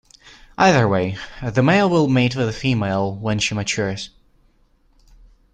Either way, the male will mate with the female when she matures.